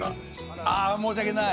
あ申し訳ない。